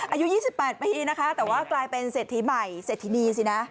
อายุ๒๘ปีนะคะแต่ว่ากลายเป็นเศรษฐีใหม่เศรษฐินีสินะ